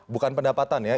bukan pendapatan ya